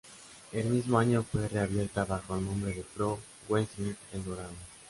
El mismo año fue reabierta bajo el nombre de Pro Wrestling El Dorado.